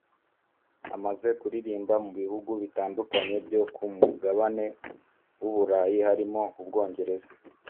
Amaze kuririmba mu bihugu bitandukanye byo ku Mugabane w’u burayi harimo u Bwongereza